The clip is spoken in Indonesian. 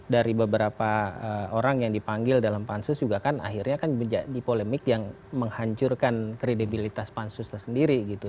dari beberapa orang yang dipanggil dalam pansus juga kan akhirnya kan menjadi polemik yang menghancurkan kredibilitas pansus tersendiri gitu